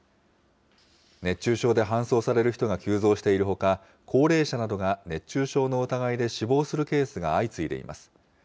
熱中症で搬送される人が急増しているほか、高齢者などが熱中症の疑いで死亡するケースが相次いでいます。